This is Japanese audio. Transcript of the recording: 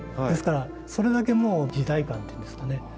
ですからそれだけもう時代感っていうんですかね